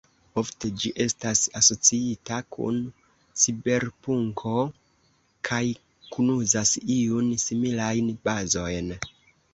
Ofte ĝi estas asociita kun ciberpunko kaj kunuzas iun similajn bazojn.